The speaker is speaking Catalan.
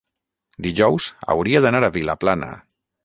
dijous hauria d'anar a Vilaplana.